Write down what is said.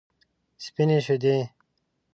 سپینې شیدې.